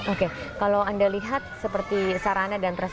oke kalau anda lihat seperti sarana dan terasa